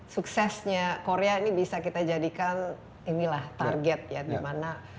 suksesnya korea ini bisa kita jadikan inilah target ya dimana